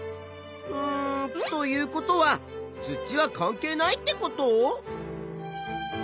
うんということは土は関係ないってこと？